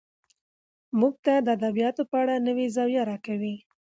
موږ ته د ادبياتو په اړه نوې زاويه راکوي